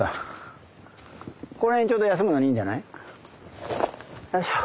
ここら辺ちょうど休むのにいいんじゃない？よいしょ。